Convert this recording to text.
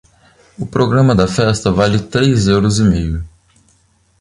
O programa da festa vale três euros e meio.